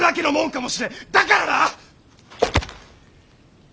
だからな！